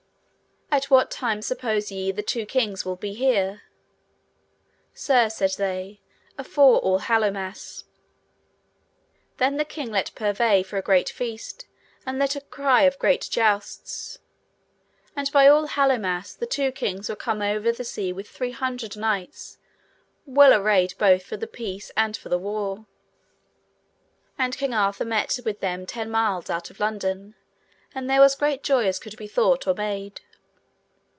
At what time suppose ye the two kings will be here? Sir, said they, afore All Hallowmass. Then the king let purvey for a great feast, and let cry a great jousts. And by All Hallowmass the two kings were come over the sea with three hundred knights well arrayed both for the peace and for the war. And King Arthur met with them ten mile out of London, and there was great joy as could be thought or made.